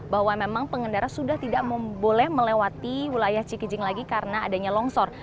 bahwa memang pengendara sudah tidak boleh melewati wilayah cikijing lagi karena adanya longsor